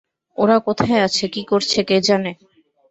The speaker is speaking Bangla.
ওরা কোথায় আছে, কী করছে, কে জানে?